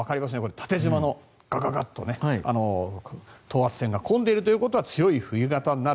縦じまの、ガガガッと等圧線が混んでいるということは強い冬型になる。